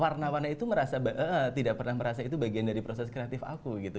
warna warna itu merasa tidak pernah merasa itu bagian dari proses kreatif aku gitu